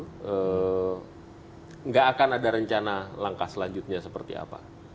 tidak akan ada rencana langkah selanjutnya seperti apa